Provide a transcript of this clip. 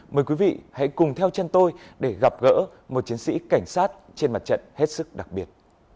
mời quý vị hãy cùng theo chân tôi để gặp gỡ một chiến sĩ cảnh sát trên mặt trận hết sức đặc biệt